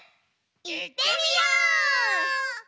いってみよう！